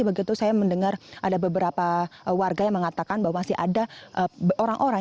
begitu saya mendengar ada beberapa warga yang mengatakan bahwa masih ada orang orang